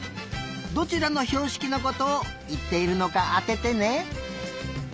どちらのひょうしきのことをいっているのかあててね。